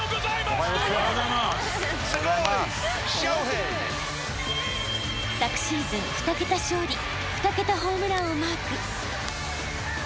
すごい！昨シーズン２桁勝利２桁ホームランをマーク。